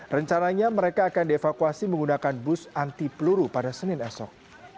rencananya mereka akan dievakuasi menggunakan bus anti peluru pada senin esok